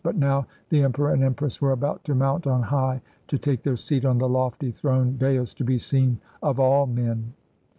But now the Emperor and Empress were about to mount on high, to take their seat on the lofty throned dais, to be seen of all men.